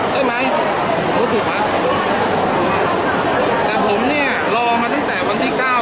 ใช่ไหมรู้ถูกไหมแต่ผมเนี่ยรอมาตั้งแต่วันที่เก้า